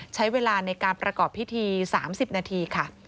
ใช้เวลาในการประกอบพิธี๓๐นาทีค่ะ